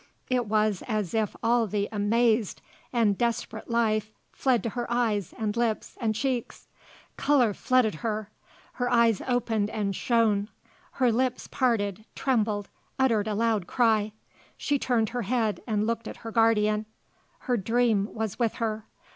It was as if all the amazed and desperate life fled to her eyes and lips and cheeks. Colour flooded her. Her eyes opened and shone. Her lips parted, trembled, uttered a loud cry. She turned her head and looked at her guardian. Her dream was with her.